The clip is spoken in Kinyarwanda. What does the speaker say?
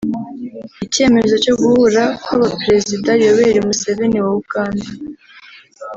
Icyemezo cyo guhura kw’abaperezida Yoweri Museveni wa Uganda